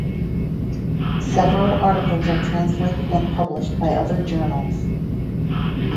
Several articles are translated and published by other journals.